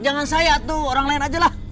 jangan saya tuh orang lain ajalah